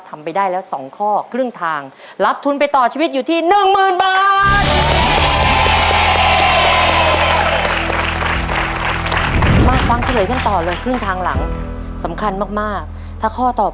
ทำไปได้แล้ว๒ข้อครึ่งทางรับทุนไปต่อชีวิตอยู่ที่๑๐๐๐บาท